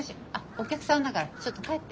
お客さんだからちょっと帰って。